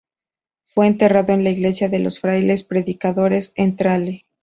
Fue enterrado en la Iglesia de los Frailes-predicadores en Tralee.